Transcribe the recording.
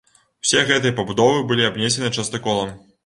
Усе гэтыя пабудовы былі абнесены частаколам.